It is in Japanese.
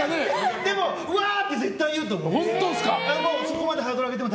でも、うわーって絶対言うと思います。